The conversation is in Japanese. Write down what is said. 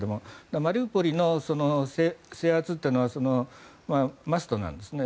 マリウポリの制圧というのはマストなんですね。